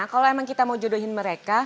kalau emang kita mau jodohin mereka